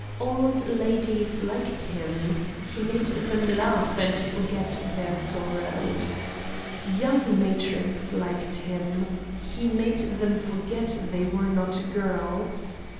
Old ladies liked him; he made them laugh and forget their sorrows. Young matrons liked him; he made them forget they were not girls.